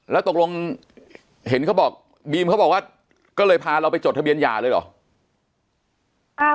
แล้วตกลงเห็นเขาบอกบีมเขาบอกว่าก็เลยพาเราไปจดทะเบียนหย่าเลยเหรอ